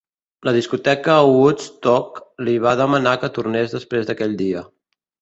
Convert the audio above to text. La discoteca Woodstock li va demanar que tornés després d'aquell dia.